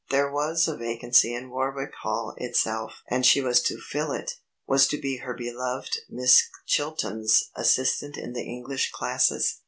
There was a vacancy in Warwick Hall itself and she was to fill it; was to be her beloved Miss Chilton's assistant in the English classes.